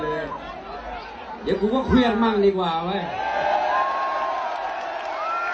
เดี๋ยวกูก็เครื่องมั่งดีกว่าไอมัน